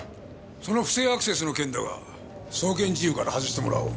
その不正アクセスの件だが送検事由から外してもらおう。